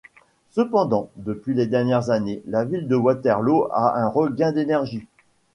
Cependant, depuis les dernières années, la ville de Waterloo a un regain d'énergie.